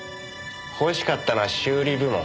欲しかったのは修理部門。